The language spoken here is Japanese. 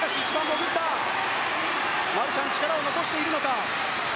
マルシャン力を残しているのか。